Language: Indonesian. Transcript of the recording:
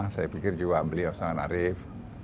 saya pikir juga beliau sangat arif